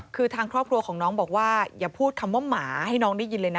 คือทางครอบครัวของน้องบอกว่าอย่าพูดคำว่าหมาให้น้องได้ยินเลยนะ